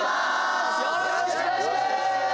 よろしく！お願いします！